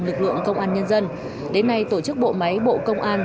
lực lượng công an nhân dân đến nay tổ chức bộ máy bộ công an